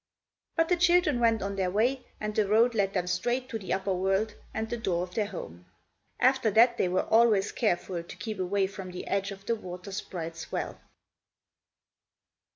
But the children went on their way, and the road led them straight to the upper world and the door of their home. After that they were always careful to keep away from the edge of the water sprite's well.